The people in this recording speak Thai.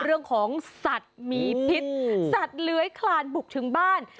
เรื่องของสัตว์มีพิษสัตว์เลื้อยคลานบุกถึงบ้าน